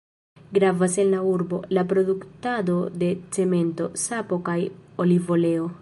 Gravas en la urbo, la produktado de cemento, sapo kaj olivoleo.